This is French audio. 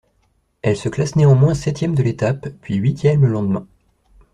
Elle se classe néanmoins septième de l'étape puis huitième le lendemain.